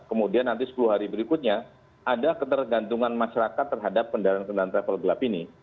kemudian nanti sepuluh hari berikutnya ada ketergantungan masyarakat terhadap kendaraan kendaraan travel gelap ini